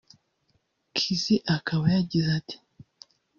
Khizz akaba yagize ati